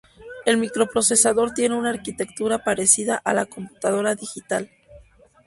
El microprocesador tiene una arquitectura parecida a la computadora digital.